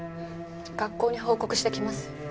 学校に報告してきます。